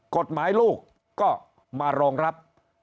กฎหมายลูกก็มารองรับ